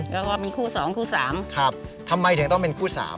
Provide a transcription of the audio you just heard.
แล้วก็เป็นคู่สองคู่สามครับทำไมถึงต้องเป็นคู่สาม